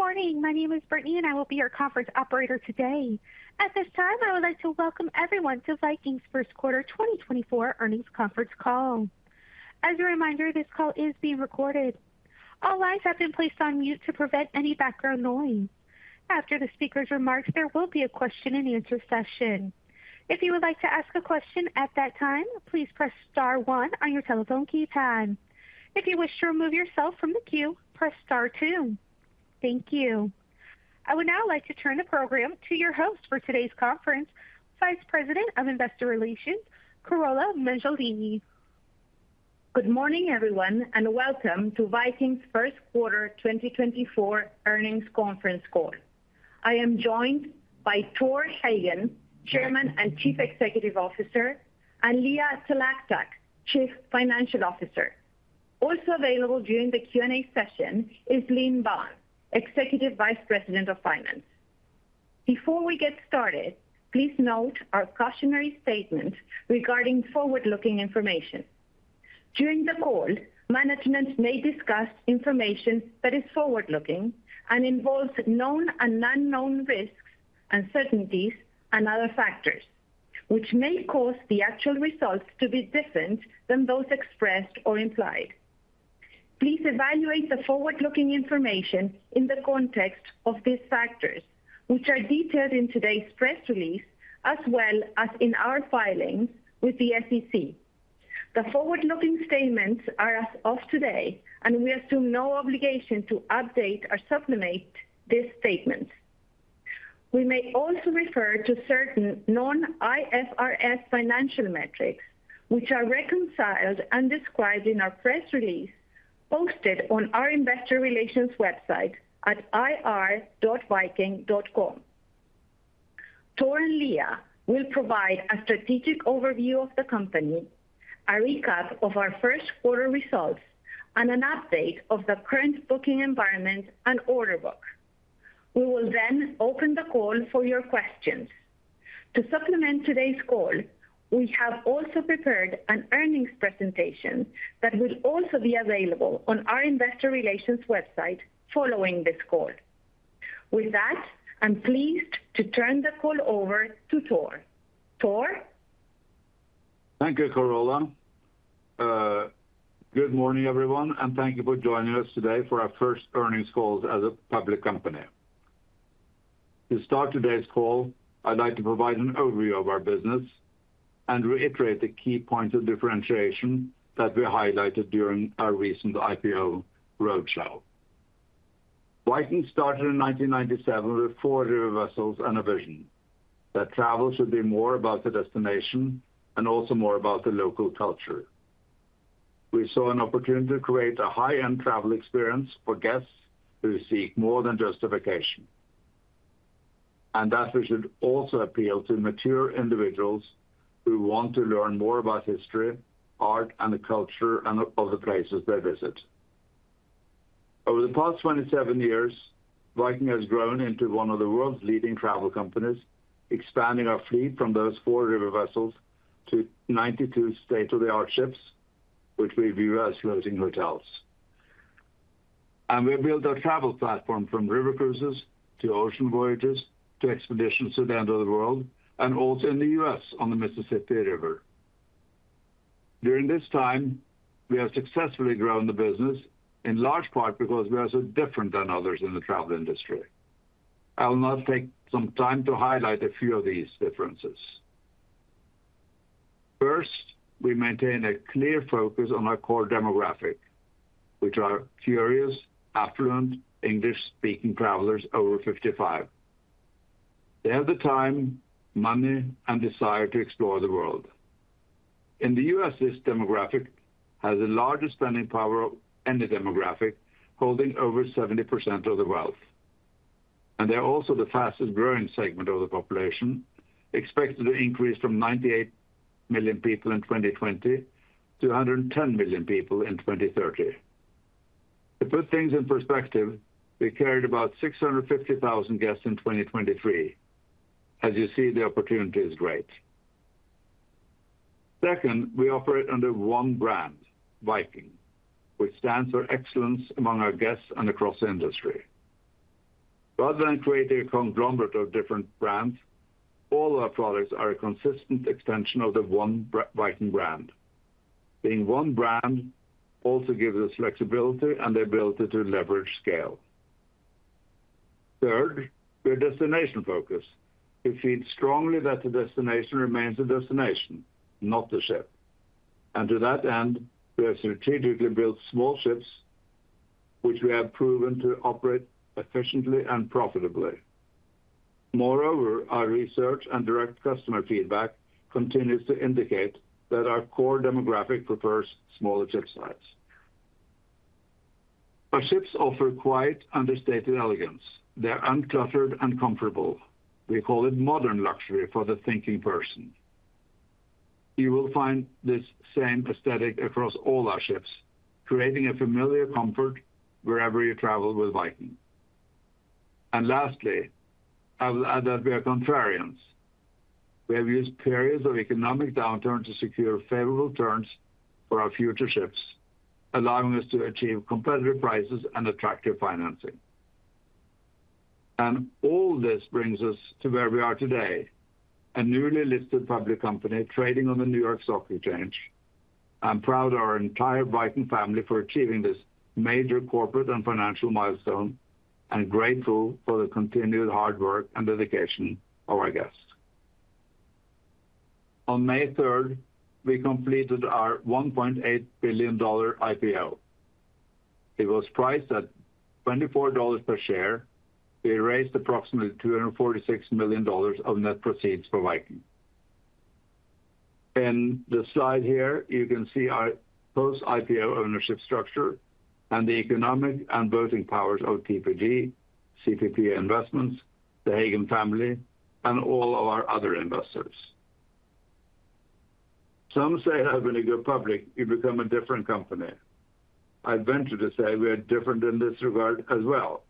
Good morning. My name is Brittany, and I will be your conference operator today. At this time, I would like to welcome everyone to Viking's first quarter 2024 earnings conference call. As a reminder, this call is being recorded. All lines have been placed on mute to prevent any background noise. After the speaker's remarks, there will be a question-and-answer session. If you would like to ask a question at that time, please press star one on your telephone keypad. If you wish to remove yourself from the queue, press star two. Thank you. I would now like to turn the program to your host for today's conference, Vice President of Investor Relations, Carola Mengolini. Good morning, everyone, and welcome to Viking's first quarter 2024 earnings conference call. I am joined by Torstein Hagen, Chairman and Chief Executive Officer, and Leah Talactac, Chief Financial Officer. Also available during the Q&A session is Linh Banh, Executive Vice President of Finance. Before we get started, please note our cautionary statement regarding forward-looking information. During the call, management may discuss information that is forward-looking and involves known and unknown risks, uncertainties, and other factors, which may cause the actual results to be different than those expressed or implied. Please evaluate the forward-looking information in the context of these factors, which are detailed in today's press release, as well as in our filings with the SEC. The forward-looking statements are as of today, and we assume no obligation to update or supplement this statement. We may also refer to certain non-IFRS financial metrics, which are reconciled and described in our press release posted on our investor relations website at ir.viking.com. Tor and Leah will provide a strategic overview of the company, a recap of our first quarter results, and an update of the current booking environment and order book. We will then open the call for your questions. To supplement today's call, we have also prepared an earnings presentation that will also be available on our investor relations website following this call. With that, I'm pleased to turn the call over to Tor. Tor? Thank you, Carola. Good morning, everyone, and thank you for joining us today for our first earnings call as a public company. To start today's call, I'd like to provide an overview of our business and reiterate the key points of differentiation that we highlighted during our recent IPO roadshow. Viking started in 1997 with four river vessels and a vision that travel should be more about the destination and also more about the local culture. We saw an opportunity to create a high-end travel experience for guests who seek more than just a vacation, and that we should also appeal to mature individuals who want to learn more about history, art, and the culture and of the places they visit. Over the past 27 years, Viking has grown into one of the world's leading travel companies, expanding our fleet from those 4 river vessels to 92 state-of-the-art ships, which we view as floating hotels. We built our travel platform from river cruises to ocean voyages to expeditions to the end of the world, and also in the US on the Mississippi River. During this time, we have successfully grown the business, in large part because we are so different than others in the travel industry. I will now take some time to highlight a few of these differences. First, we maintain a clear focus on our core demographic, which are curious, affluent, English-speaking travelers over 55. They have the time, money, and desire to explore the world. In the US, this demographic has the largest spending power of any demographic, holding over 70% of the wealth, and they're also the fastest-growing segment of the population, expected to increase from 98 million people in 2020 to 110 million people in 2030. To put things in perspective, we carried about 650,000 guests in 2023. As you see, the opportunity is great. Second, we operate under one brand, Viking, which stands for excellence among our guests and across the industry. Rather than creating a conglomerate of different brands, all our products are a consistent extension of the one Viking brand. Being one brand also gives us flexibility and the ability to leverage scale. Third, we're destination-focused. We feel strongly that the destination remains the destination, not the ship. And to that end, we have strategically built small ships, which we have proven to operate efficiently and profitably. Moreover, our research and direct customer feedback continues to indicate that our core demographic prefers smaller ship size. Our ships offer quiet, understated elegance. They are uncluttered and comfortable. We call it modern luxury for the thinking person. You will find this same aesthetic across all our ships, creating a familiar comfort wherever you travel with Viking. And lastly, I will add that we are contrarians.... We have used periods of economic downturn to secure favorable terms for our future ships, allowing us to achieve competitive prices and attractive financing. And all this brings us to where we are today, a newly listed public company trading on the New York Stock Exchange. I'm proud of our entire Viking family for achieving this major corporate and financial milestone, and grateful for the continued hard work and dedication of our guests. On May third, we completed our $1.8 billion IPO. It was priced at $24 per share. We raised approximately $246 million of net proceeds for Viking. In the slide here, you can see our post-IPO ownership structure and the economic and voting powers of TPG, CPP Investments, the Hagen family, and all of our other investors. Some say, having gone public, you become a different company. I'd venture to say we are different in this regard as well.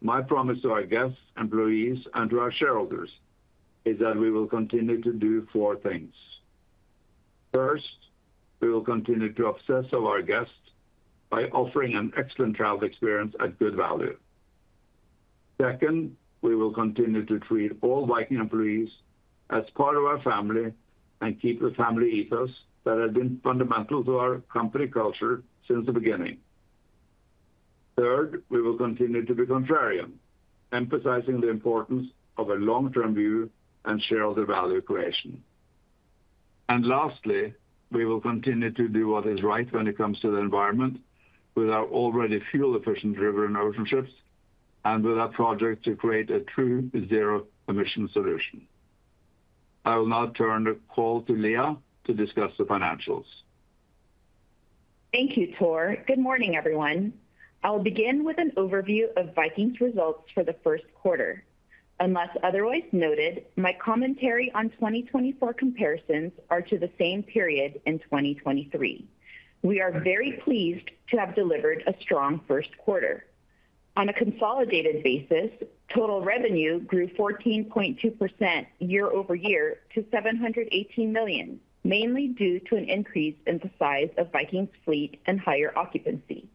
My promise to our guests, employees, and to our shareholders is that we will continue to do four things. First, we will continue to obsess over our guests by offering an excellent travel experience at good value. Second, we will continue to treat all Viking employees as part of our family and keep the family ethos that has been fundamental to our company culture since the beginning. Third, we will continue to be contrarian, emphasizing the importance of a long-term view and shareholder value creation. And lastly, we will continue to do what is right when it comes to the environment with our already fuel-efficient river and ocean ships, and with our project to create a true zero-emission solution. I will now turn the call to Leah to discuss the financials. Thank you, Tor. Good morning, everyone. I'll begin with an overview of Viking's results for the first quarter. Unless otherwise noted, my commentary on 2024 comparisons are to the same period in 2023. We are very pleased to have delivered a strong first quarter. On a consolidated basis, total revenue grew 14.2% year-over-year to $718 million, mainly due to an increase in the size of Viking's fleet and higher occupancy.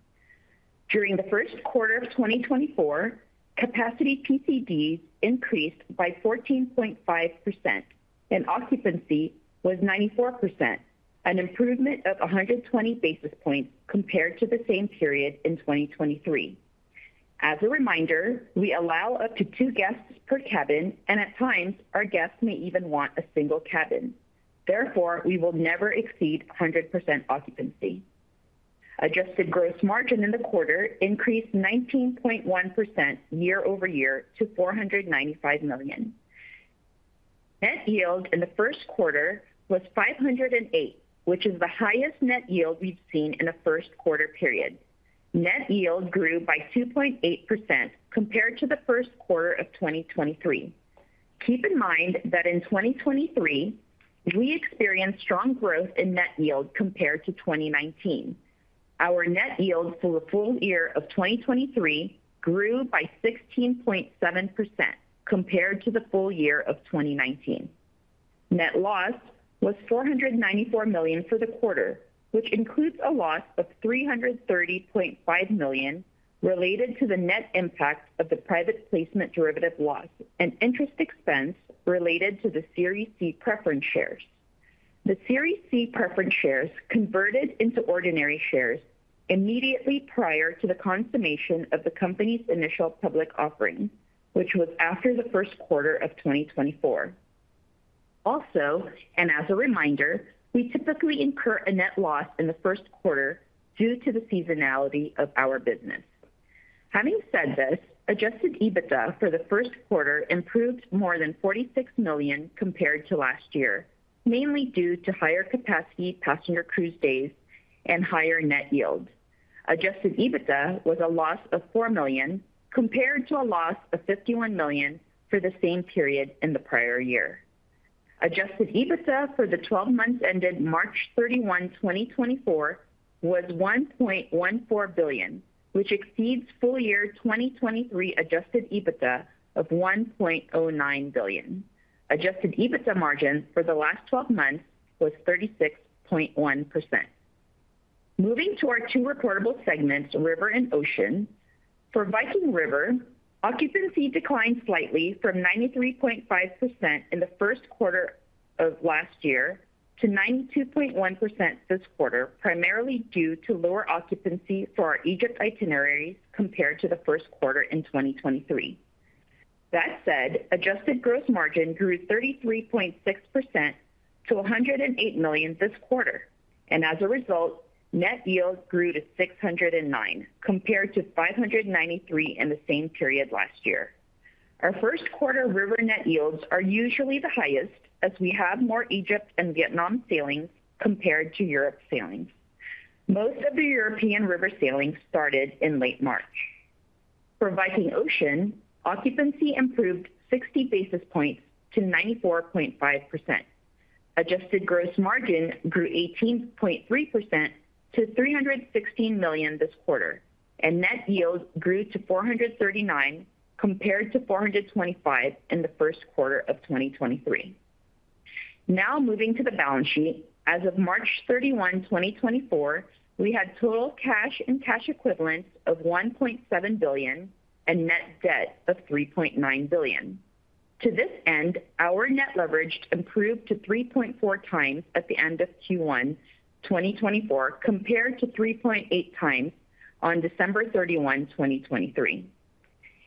During the first quarter of 2024, capacity PCD increased by 14.5%, and occupancy was 94%, an improvement of 120 basis points compared to the same period in 2023. As a reminder, we allow up to two guests per cabin, and at times our guests may even want a single cabin. Therefore, we will never exceed 100% occupancy. Adjusted gross margin in the quarter increased 19.1% year-over-year to $495 million. Net yield in the first quarter was $508, which is the highest net yield we've seen in a first quarter period. Net yield grew by 2.8% compared to the first quarter of 2023. Keep in mind that in 2023, we experienced strong growth in net yield compared to 2019. Our net yield for the full year of 2023 grew by 16.7% compared to the full year of 2019. Net loss was $494 million for the quarter, which includes a loss of $330.5 million related to the net impact of the private placement derivative loss and interest expense related to the Series C preference shares. The Series C preference shares converted into ordinary shares immediately prior to the consummation of the company's initial public offering, which was after the first quarter of 2024. Also, and as a reminder, we typically incur a net loss in the first quarter due to the seasonality of our business. Having said this, adjusted EBITDA for the first quarter improved more than $46 million compared to last year, mainly due to higher capacity passenger cruise days and higher net yields. Adjusted EBITDA was a loss of $4 million, compared to a loss of $51 million for the same period in the prior year. Adjusted EBITDA for the twelve months ended March 31, 2024, was $1.14 billion, which exceeds full year 2023 adjusted EBITDA of $1.09 billion. Adjusted EBITDA margin for the last twelve months was 36.1%. Moving to our two reportable segments, river and ocean. For Viking River, occupancy declined slightly from 93.5% in the first quarter of last year to 92.1% this quarter, primarily due to lower occupancy for our Egypt itineraries compared to the first quarter in 2023. That said, adjusted gross margin grew 33.6% to $108 million this quarter, and as a result, net yields grew to $609, compared to $593 in the same period last year. Our first quarter river net yields are usually the highest, as we have more Egypt and Vietnam sailing compared to Europe sailing. Most of the European river sailing started in late March. For Viking Ocean, occupancy improved 60 basis points to 94.5%....Adjusted gross margin grew 18.3% to $316 million this quarter, and net yield grew to $439, compared to $425 in the first quarter of 2023. Now moving to the balance sheet. As of March 31, 2024, we had total cash and cash equivalents of $1.7 billion and net debt of $3.9 billion. To this end, our net leverage improved to 3.4 times at the end of Q1 2024, compared to 3.8 times on December 31, 2023.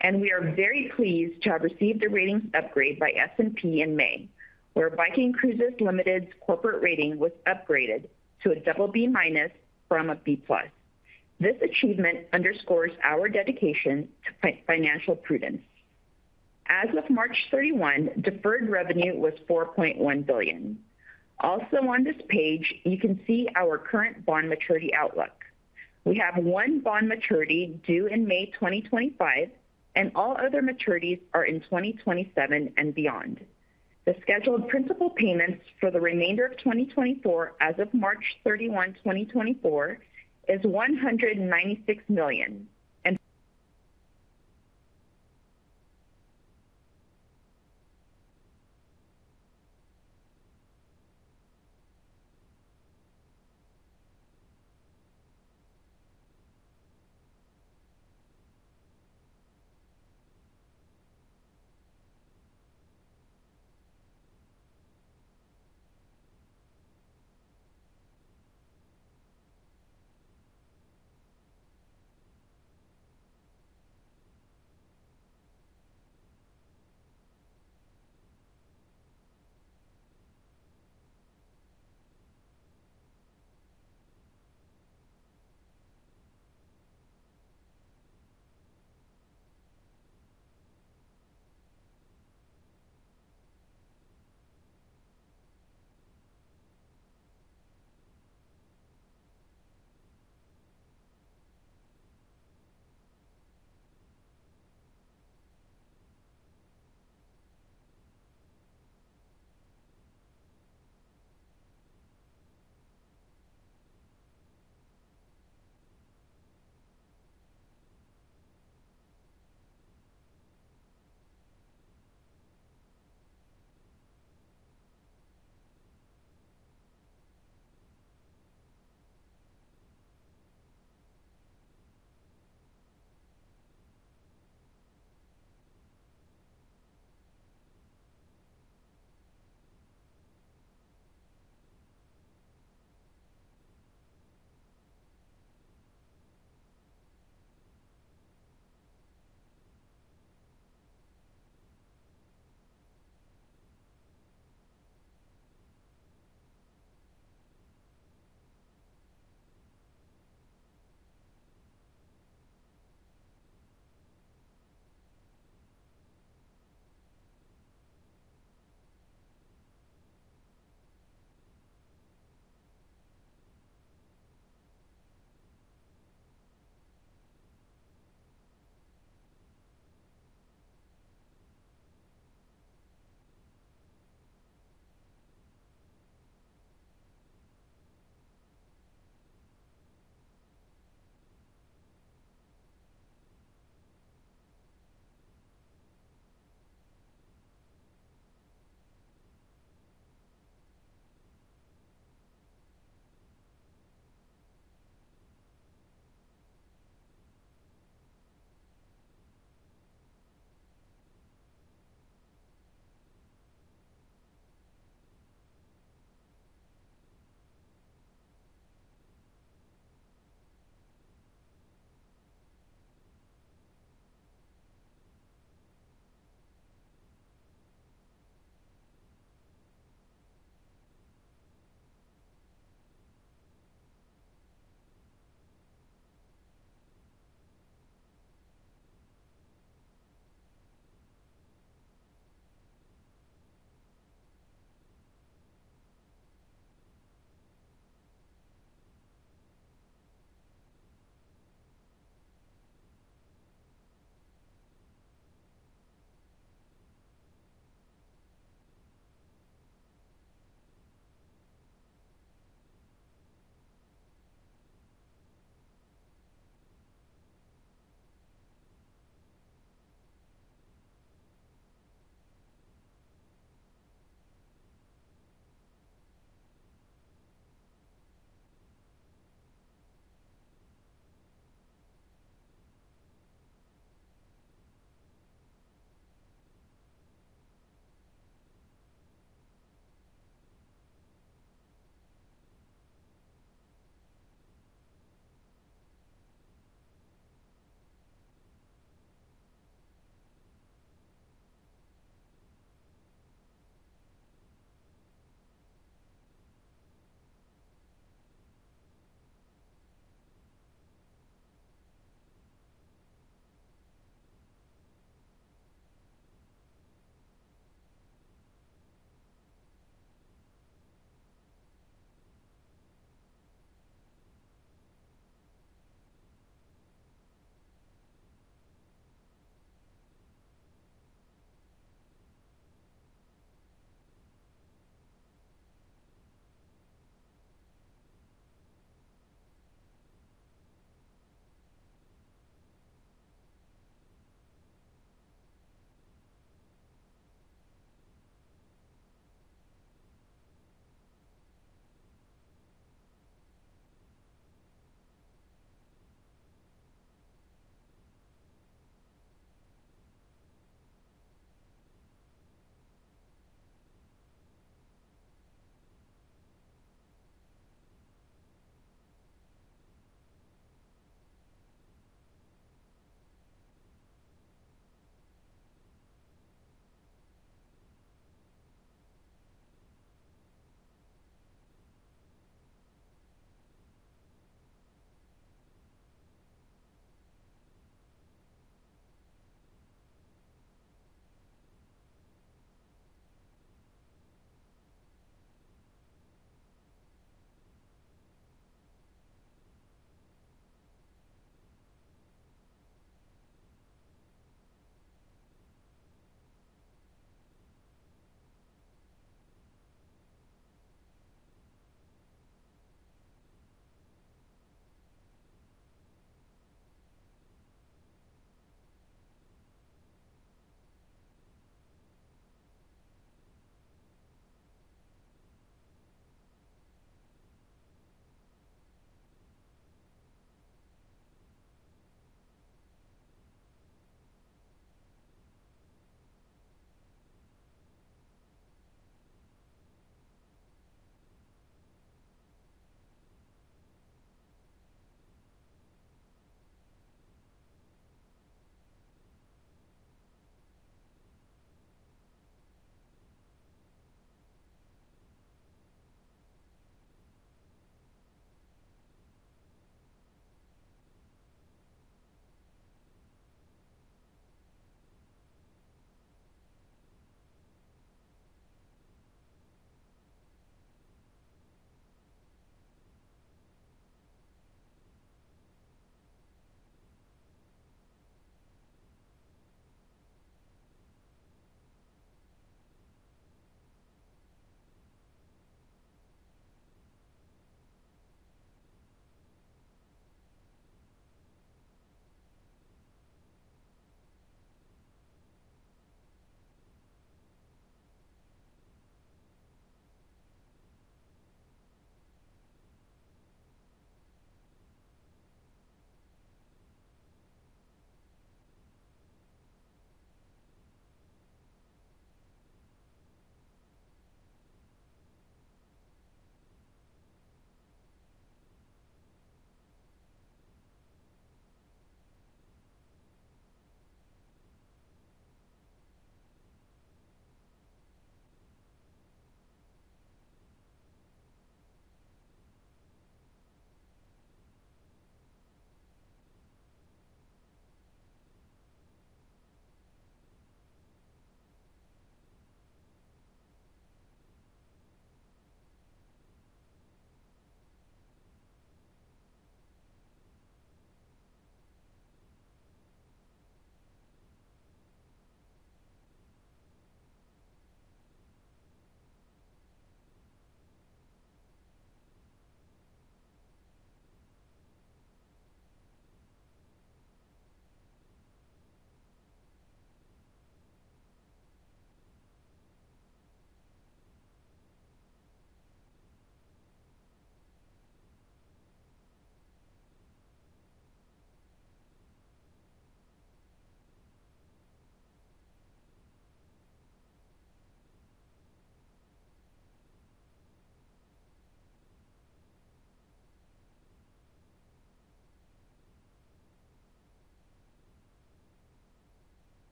And we are very pleased to have received a ratings upgrade by S&P in May, where Viking Cruises Ltd's corporate rating was upgraded to BB- from B+. This achievement underscores our dedication to financial prudence. As of March 31, deferred revenue was $4.1 billion. Also on this page, you can see our current bond maturity outlook. We have one bond maturity due in May 2025, and all other maturities are in 2027 and beyond. The scheduled principal payments for the remainder of 2024 as of March 31, 2024, is $196 million,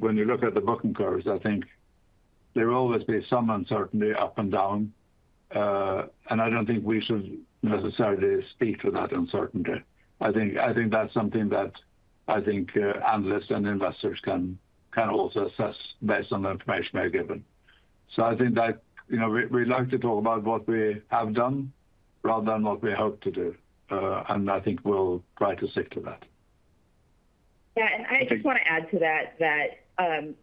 and- ...When you look at the booking curves, I think there will always be some uncertainty up and down, and I don't think we should necessarily speak to that uncertainty. I think, I think that's something that I think, analysts and investors can, can also assess based on the information they're given. So I think that, you know, we, we like to talk about what we have done rather than what we hope to do, and I think we'll try to stick to that. Yeah, and I just want to add to that, that,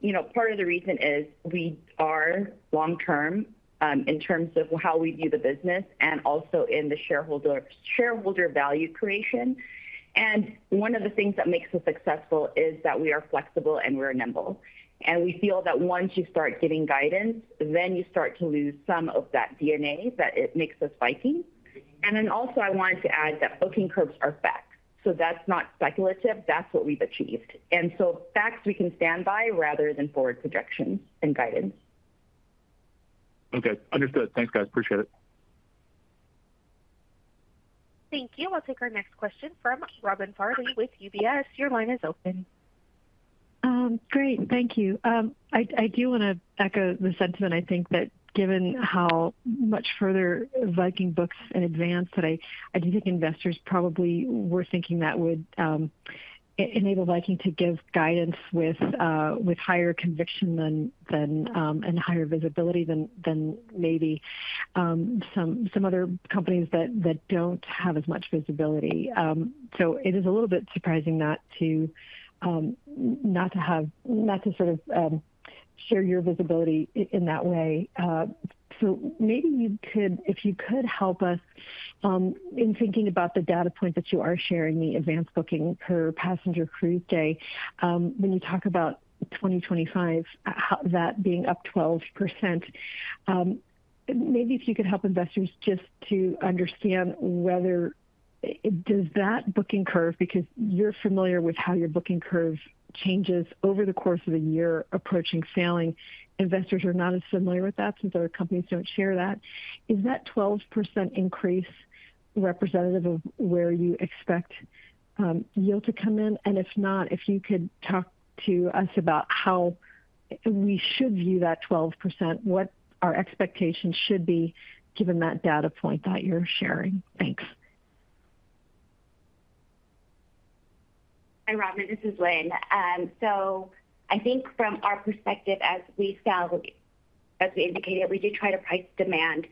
you know, part of the reason is we are long-term, in terms of how we view the business and also in the shareholder, shareholder value creation. ...And one of the things that makes us successful is that we are flexible, and we're nimble. And we feel that once you start giving guidance, then you start to lose some of that DNA, that it makes us Viking. And then also, I wanted to add that booking curves are back. So that's not speculative. That's what we've achieved. And so facts we can stand by rather than forward projections and guidance. Okay, understood. Thanks, guys. Appreciate it. Thank you. I'll take our next question from Robin Farley with UBS. Your line is open. Great, thank you. I do want to echo the sentiment. I think that given how much further Viking books in advance, that I do think investors probably were thinking that would enable Viking to give guidance with higher conviction than and higher visibility than maybe some other companies that don't have as much visibility. So it is a little bit surprising not to have - not to sort of share your visibility in that way. So maybe you could - if you could help us in thinking about the data point that you are sharing, the advanced booking per passenger cruise day. When you talk about 2025, how that being up 12%, maybe if you could help investors just to understand whether, does that booking curve, because you're familiar with how your booking curve changes over the course of a year approaching sailing. Investors are not as familiar with that since other companies don't share that. Is that 12% increase representative of where you expect, yield to come in? And if not, if you could talk to us about how we should view that 12%, what our expectations should be, given that data point that you're sharing. Thanks. Hi, Robin, this is Linh. So I think from our perspective, as we sell, as we indicated, we do try to price demand.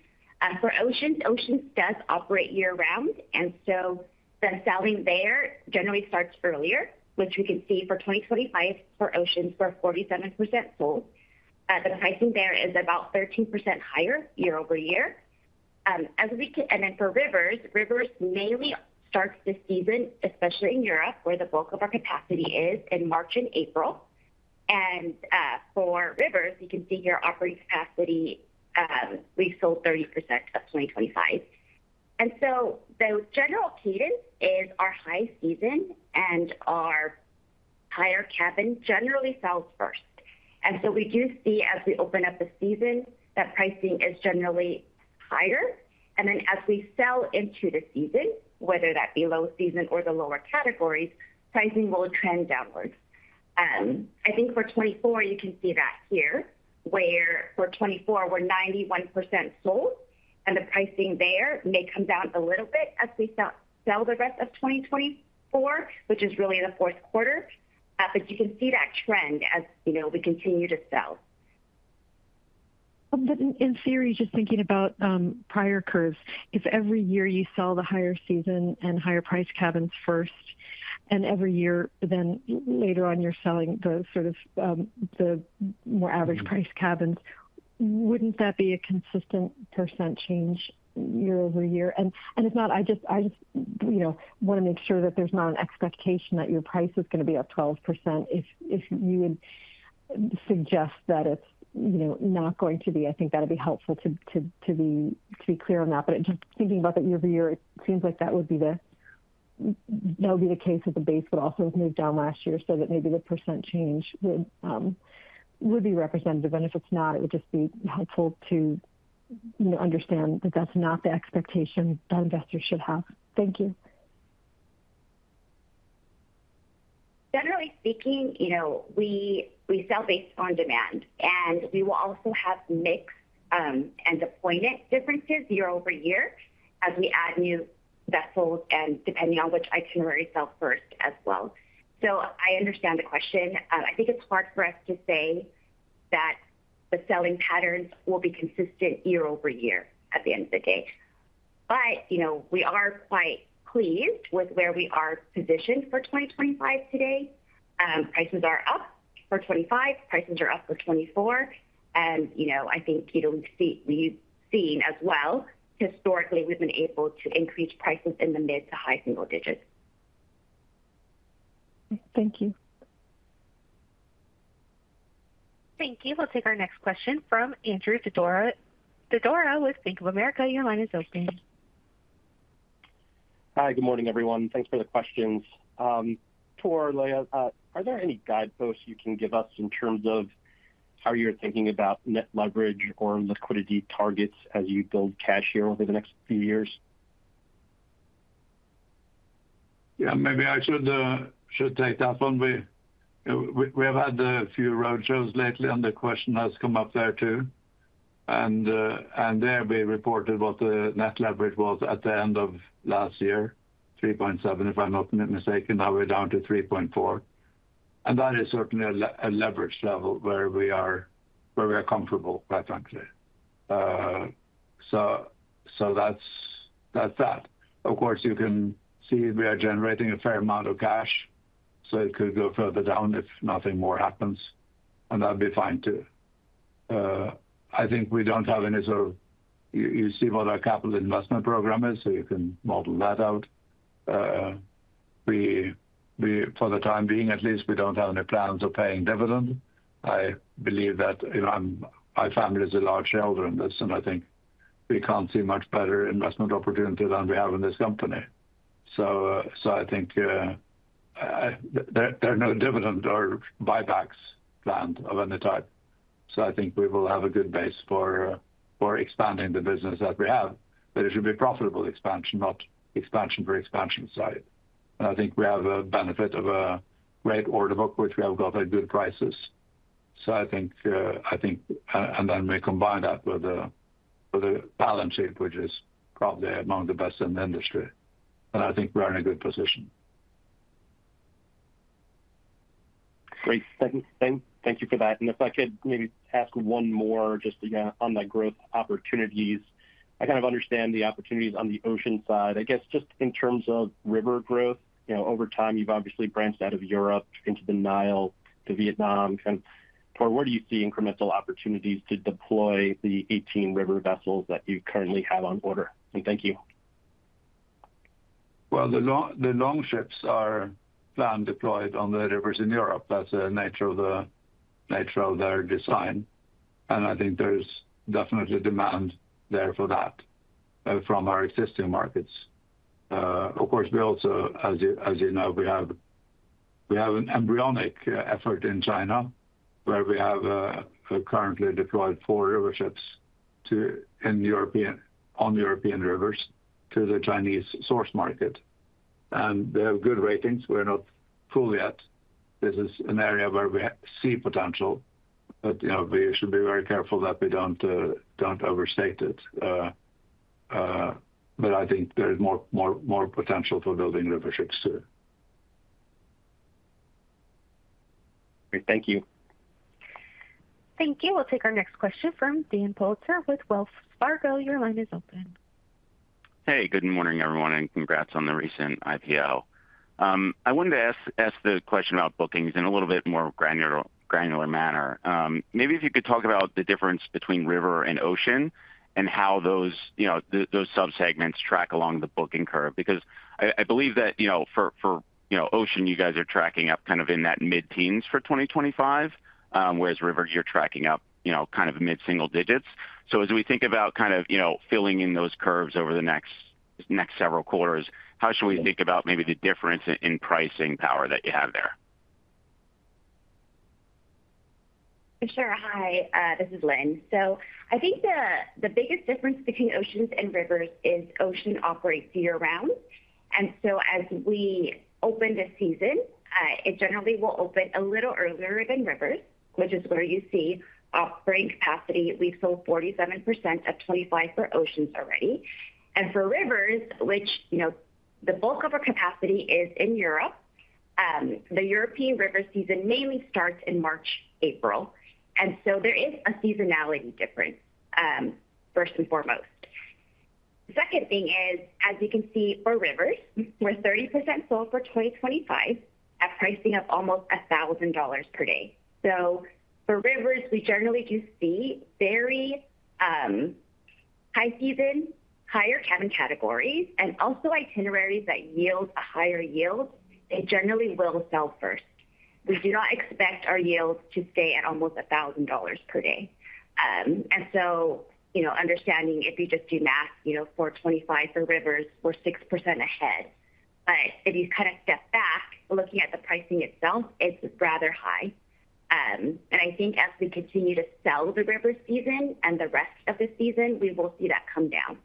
For oceans, oceans does operate year-round, and so the selling there generally starts earlier, which we can see for 2025 for oceans, we're 47% sold. The pricing there is about 13% higher year over year. As we can-- and then for rivers, rivers mainly starts the season, especially in Europe, where the bulk of our capacity is in March and April. And, for rivers, you can see here operating capacity, we've sold 30% of 2025. And so the general cadence is our high season and our higher cabin generally sells first. And so we do see as we open up the season, that pricing is generally higher. And then as we sell into the season, whether that be low season or the lower categories, pricing will trend downwards. I think for 2024, you can see that here, where for 2024, we're 91% sold, and the pricing there may come down a little bit as we sell the rest of 2024, which is really in the fourth quarter. But you can see that trend as, you know, we continue to sell. But in theory, just thinking about prior curves, if every year you sell the higher season and higher priced cabins first, and every year, then later on, you're selling the sort of the more average-priced cabins, wouldn't that be a consistent percent change year-over-year? And if not, I just, you know, want to make sure that there's not an expectation that your price is going to be up 12%. If you would suggest that it's, you know, not going to be, I think that'd be helpful to be clear on that. But just thinking about the year-over-year, it seems like that would be the case if the base would also have moved down last year, so that maybe the percent change would be representative. If it's not, it would just be helpful to, you know, understand that that's not the expectation that investors should have. Thank you. Generally speaking, you know, we sell based on demand, and we will also have mix and deployment differences year over year as we add new vessels and depending on which itinerary sells first as well. So I understand the question. I think it's hard for us to say that the selling patterns will be consistent year over year, at the end of the day. But, you know, we are quite pleased with where we are positioned for 2025 today. Prices are up for 2025, prices are up for 2024. And, you know, I think, you know, we've seen as well, historically, we've been able to increase prices in the mid- to high-single digits. Thank you. Thank you. We'll take our next question from Andrew Didora, Didora with Bank of America. Your line is open. Hi, good morning, everyone. Thanks for the questions. Tor, Leah, are there any guideposts you can give us in terms of how you're thinking about net leverage or liquidity targets as you build cash here over the next few years? Yeah, maybe I should take that one. We have had a few roadshows lately, and the question has come up there, too. And there we reported what the net leverage was at the end of last year, 3.7, if I'm not mistaken, now we're down to 3.4. And that is certainly a leverage level where we are comfortable, quite frankly. So that's that. Of course, you can see we are generating a fair amount of cash, so it could go further down if nothing more happens, and that'd be fine, too. I think we don't have any sort of, you see what our capital investment program is, so you can model that out. We for the time being, at least, we don't have any plans of paying dividend. I believe that, you know, my family is a large shareholder in this, and I think we can't see much better investment opportunity than we have in this company. So, so I think, there are no dividend or buybacks planned of any type. So I think we will have a good base for expanding the business that we have, but it should be profitable expansion, not expansion for expansion's sake. And I think we have a benefit of a great order book, which we have got at good prices. So I think, I think—and then we combine that with a balance sheet, which is probably among the best in the industry, and I think we're in a good position. Great. Thank you for that. And if I could maybe ask one more just on the growth opportunities. I kind of understand the opportunities on the ocean side. I guess, just in terms of river growth, you know, over time, you've obviously branched out of Europe into the Nile, to Vietnam. Kind of, where do you see incremental opportunities to deploy the 18 river vessels that you currently have on order? And thank you. Well, the Longships are planned, deployed on the rivers in Europe. That's the nature of their design, and I think there's definitely demand there for that from our existing markets. Of course, we also, as you know, we have an embryonic effort in China, where we have currently deployed 4 river ships on European rivers to the Chinese source market. And they have good ratings. We're not full yet. This is an area where we see potential, but, you know, we should be very careful that we don't overstate it. But I think there is more potential for building river ships, too. Great. Thank you. Thank you. We'll take our next question from Daniel Politzer with Wells Fargo. Your line is open. Hey, good morning, everyone, and congrats on the recent IPO. I wanted to ask the question about bookings in a little bit more granular manner. Maybe if you could talk about the difference between river and ocean and how those, you know, those subsegments track along the booking curve. Because I believe that, you know, for ocean, you guys are tracking up kind of in that mid-teens for 2025, whereas rivers, you're tracking up, you know, kind of mid-single digits. So as we think about kind of, you know, filling in those curves over the next several quarters, how should we think about maybe the difference in pricing power that you have there? Sure. Hi, this is Linh. So I think the biggest difference between oceans and rivers is ocean operates year-round. And so as we open this season, it generally will open a little earlier than rivers, which is where you see operating capacity. We sold 47% of 2025 for oceans already. And for rivers, which, you know, the bulk of our capacity is in Europe. The European river season mainly starts in March, April, and so there is a seasonality difference, first and foremost. Second thing is, as you can see, for rivers, we're 30% sold for 2025, at pricing of almost $1,000 per day. So for rivers, we generally do see very high season, higher cabin categories, and also itineraries that yield a higher yield. They generally will sell first. We do not expect our yields to stay at almost $1,000 per day. And so, you know, understanding if you just do math, you know, for 25% for rivers, we're 6% ahead. But if you kind of step back, looking at the pricing itself, it's rather high. And I think as we continue to sell the river season and the rest of the season, we will see that come down.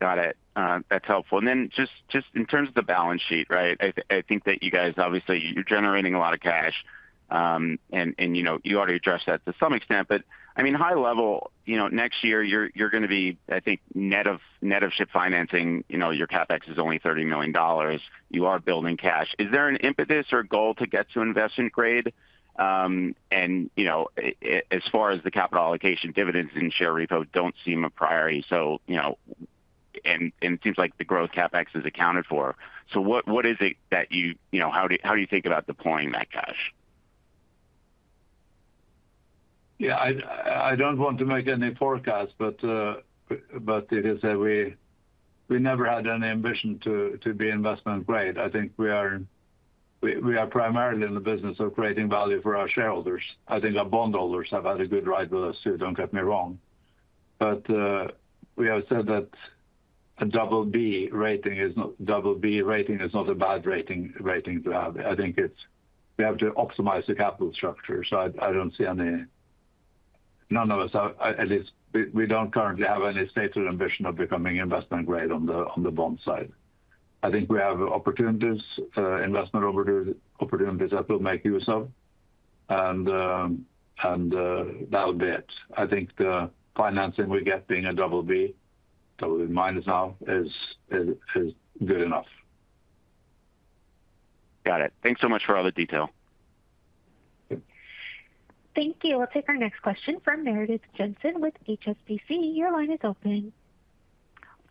Got it. That's helpful. And then just, just in terms of the balance sheet, right? I, I think that you guys, obviously you're generating a lot of cash, and, and, you know, you already addressed that to some extent. But, I mean, high level, you know, next year you're, you're gonna be, I think, net of, net of ship financing, you know, your CapEx is only $30 million. You are building cash. Is there an impetus or goal to get to investment grade? And, you know, as far as the capital allocation, dividends and share repo don't seem a priority. So, you know, and, and it seems like the growth CapEx is accounted for. So what, what is it that you... You know, how do you, how do you think about deploying that cash? Yeah, I, I don't want to make any forecast, but, but it is that we, we never had any ambition to, to be investment grade. I think we are, we, we are primarily in the business of creating value for our shareholders. I think our bondholders have had a good ride with us, too, don't get me wrong. But, we have said that a double B rating is not- double B rating is not a bad rating, rating to have. I think it's- we have to optimize the capital structure, so I, I don't see any... None of us, at least, we, we don't currently have any stated ambition of becoming investment grade on the, on the bond side. I think we have opportunities, investment opportunities that we'll make use of, and, and, that'll be it. I think the financing we get being a double B, double B minus now, is good enough. Got it. Thanks so much for all the detail. Good. Thank you. We'll take our next question from Meredith Jensen with HSBC. Your line is open....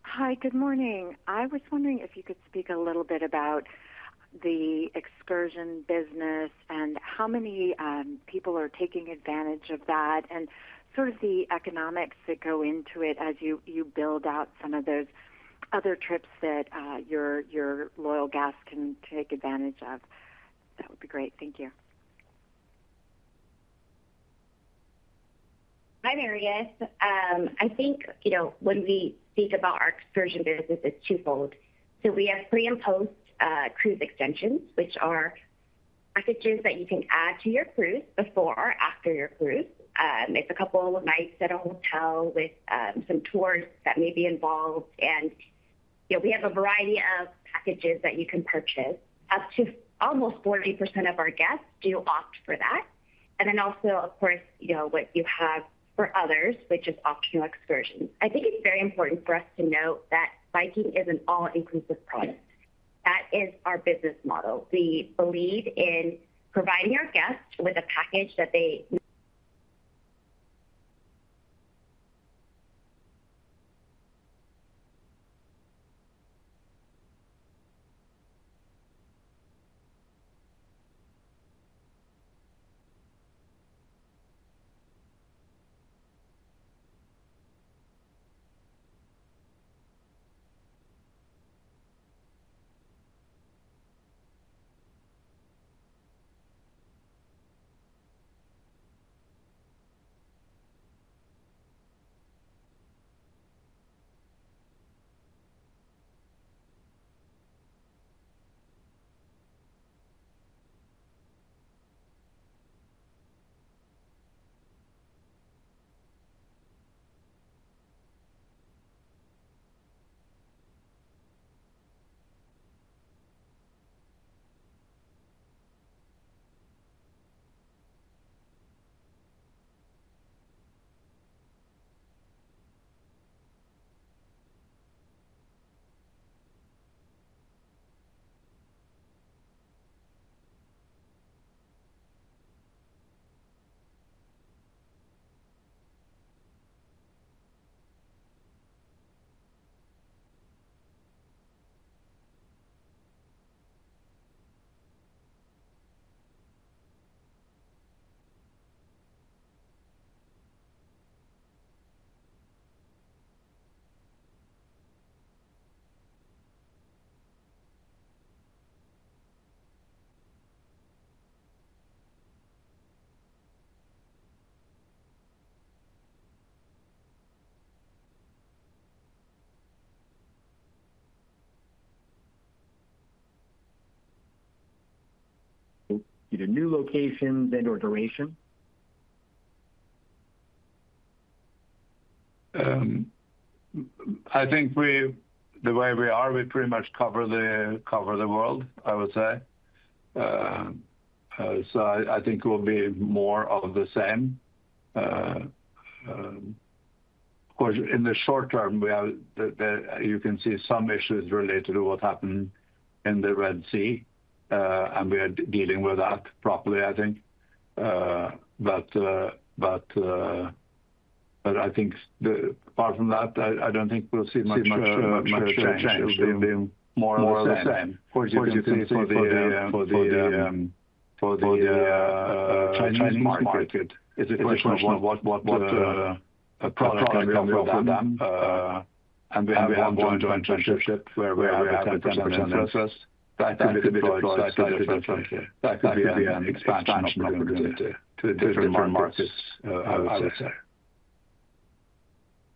Hi, good morning. I was wondering if you could speak a little bit about the excursion business, and how many people are taking advantage of that, and sort of the economics that go into it as you build out some of those other trips that your loyal guests can take advantage of? That would be great. Thank you. Hi, Meredith. I think, you know, when we think about our excursion business, it's twofold. So we have pre- and post-cruise extensions, which are packages that you can add to your cruise before or after your cruise. It's a couple of nights at a hotel with some tours that may be involved. And, you know, we have a variety of packages that you can purchase. Up to almost 40% of our guests do opt for that. And then also, of course, you know, what you have for others, which is optional excursions. I think it's very important for us to note that Viking is an all-inclusive product. That is our business model. We believe in providing our guests with a package that they- Either new locations and/or duration? I think the way we are, we pretty much cover the world, I would say. So I think it will be more of the same. Of course, in the short term, we have the... You can see some issues related to what happened in the Red Sea, and we are dealing with that properly, I think. But, apart from that, I don't think we'll see much change. It will be more of the same. Of course, you can see for the Chinese market, it's a question of what product can come from them. And we have a joint venture ship where we have a 10% interest. That could be the right size to the different, that could be an expansion opportunity to, to different markets, I would say.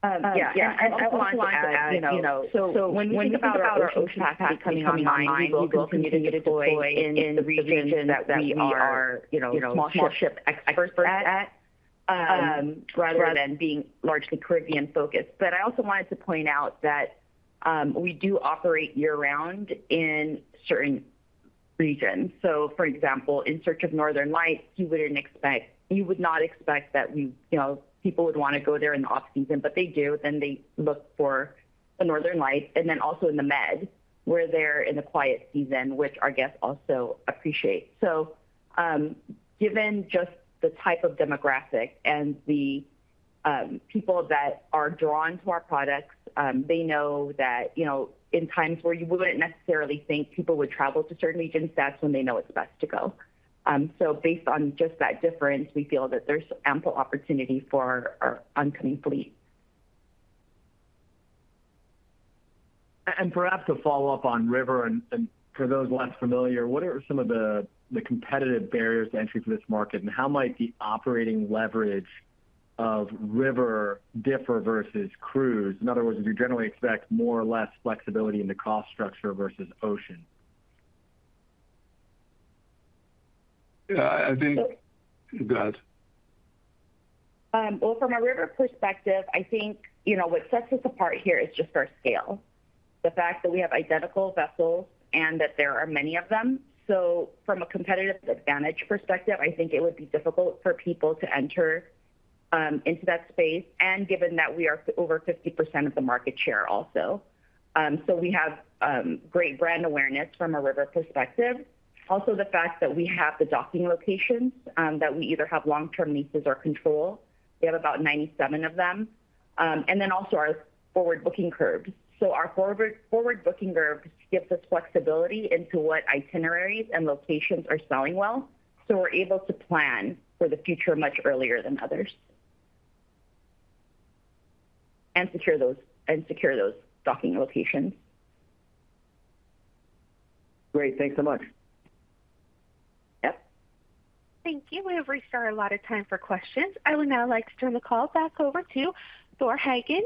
Yeah, and I also wanted to add, you know, so when we think about our ocean capacity coming online, we will continue to deploy in the regions that we are, you know, small ship experts at, rather than being largely Caribbean-focused. But I also wanted to point out that, we do operate year-round in certain regions. So, for example, in search of northern lights, you wouldn't expect, you would not expect that we, you know, people would want to go there in the off-season, but they do. Then they look for the northern lights. And then also in the Med, we're there in the quiet season, which our guests also appreciate. So, given just the type of demographic and the people that are drawn to our products, they know that, you know, in times where you wouldn't necessarily think people would travel to certain regions, that's when they know it's best to go. So based on just that difference, we feel that there's ample opportunity for our oncoming fleet. Perhaps a follow-up on river, and for those less familiar, what are some of the competitive barriers to entry for this market? And how might the operating leverage of river differ versus cruise? In other words, would you generally expect more or less flexibility in the cost structure versus ocean? I think... Go ahead. Well, from a river perspective, I think, you know, what sets us apart here is just our scale. The fact that we have identical vessels and that there are many of them. So from a competitive advantage perspective, I think it would be difficult for people to enter into that space, and given that we are over 50% of the market share also. So we have great brand awareness from a river perspective. Also, the fact that we have the docking locations that we either have long-term leases or control. We have about 97 of them. And then also our forward-booking curves. So our forward-booking curves give us flexibility into what itineraries and locations are selling well, so we're able to plan for the future much earlier than others. And secure those docking locations. Great. Thanks so much. Yep. Thank you. We have reached our allotted time for questions. I would now like to turn the call back over to Torstein Hagen,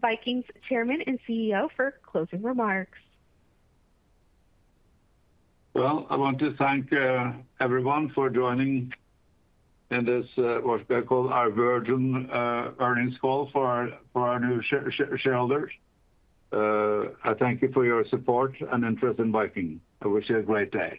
Viking's Chairman and CEO, for closing remarks. Well, I want to thank everyone for joining in this, what we call our virgin earnings call for our new shareholders. I thank you for your support and interest in Viking. I wish you a great day.